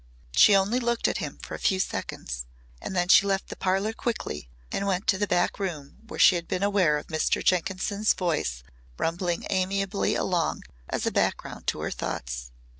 She only looked at him for a few seconds and then she left the parlour quickly and went to the back room where she had been aware of Mr. Jenkinson's voice rumbling amiably along as a background to her thoughts.